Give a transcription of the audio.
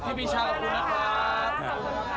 พี่ปีชาขอบคุณค่ะ